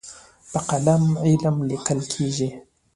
په قلم علم لیکل کېږي.